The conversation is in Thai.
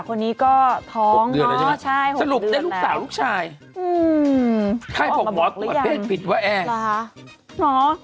คนนี้ก็ท้องใช่๖เดือนแล้วใช่ไหมอืมมพยายามออกมาบักหรือยัง